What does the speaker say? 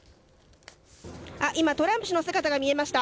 今、トランプ氏の姿が見えました。